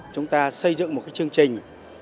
chúng ta xây dựng một cái chương trình